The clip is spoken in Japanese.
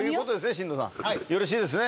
新道さんよろしいですね